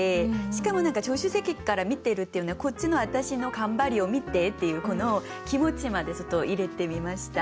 しかも助手席から見てるっていうのはこっちの私の頑張りを見てっていう気持ちまで入れてみました。